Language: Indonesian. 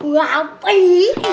wah apa ini